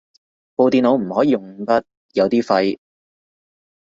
部電腦唔可以用五筆，有啲廢